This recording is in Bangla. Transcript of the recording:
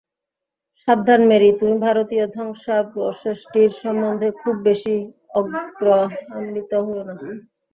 সাবধান মেরী, তুমি ভারতীয় ধ্বংসাবশেষটির সম্বন্ধে খুব বেশী আগ্রহান্বিত হয়ো না।